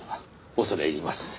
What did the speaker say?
恐れ入ります。